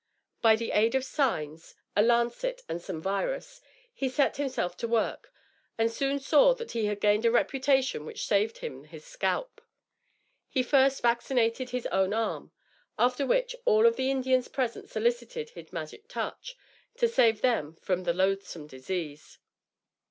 By the aid of signs, a lancet and some virus, he set himself to work, and soon saw that he had gained a reputation which saved him his scalp. He first vaccinated his own arm, after which all of the Indians present solicited his magic touch, to save them from the loathsome disease.